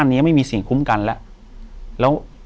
อยู่ที่แม่ศรีวิรัยิลครับ